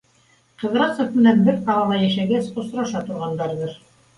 Ҡыҙрасов менән бер ҡалала йәшәгәс, осраша торғандарҙыр.